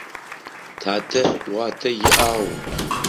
Татэ уатэ иӏагъ.